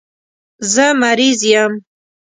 زه مریض یم.